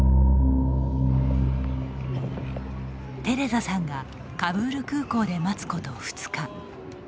テレザさんがカブール空港で待つこと２日。